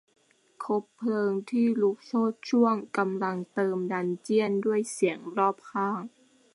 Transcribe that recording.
คบเพลิงที่ลุกโชติช่วงกำลังเติมดันเจี้ยนด้วยเสียงรอบข้าง